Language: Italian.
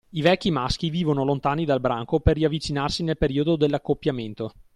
I vecchi maschi vivono lontani dal branco per riavvicinarsi nel periodo dell’accoppiamento.